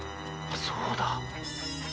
そうだ。